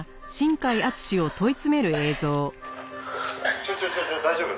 「ちょちょちょちょ大丈夫？